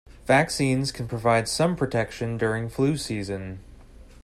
Vaccines can provide some protection during flu season.